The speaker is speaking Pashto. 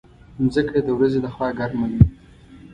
مځکه د ورځې له خوا ګرمه وي.